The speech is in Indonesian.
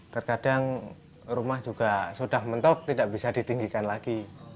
terkadang rumah juga sudah mentok tidak bisa ditinggikan lagi